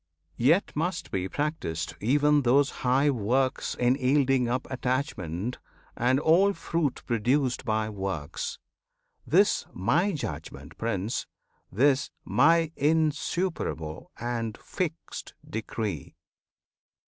Yet must be practised even those high works In yielding up attachment, and all fruit Produced by works. This is My judgment, Prince! This My insuperable and fixed decree!